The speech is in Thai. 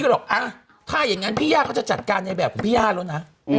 ก็ถึงบอกก่อน